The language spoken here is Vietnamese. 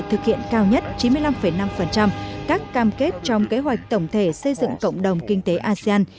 thực hiện cao nhất chín mươi năm năm các cam kết trong kế hoạch tổng thể xây dựng cộng đồng kinh tế asean